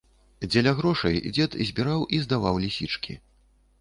Дзеля грошай дзед збіраў і здаваў лісічкі.